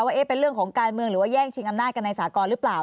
ว่าเป็นเรื่องของการเมืองหรือว่าแย่งชิงอำนาจกันในสากรหรือเปล่า